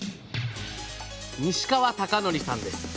西川崇徳さんです。